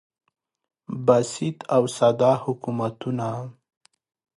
بسیط او ساده حکومتونه